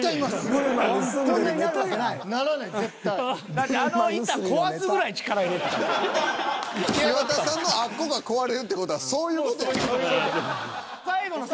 だって岩田さんのあっこが壊れるって事はそういう事やな。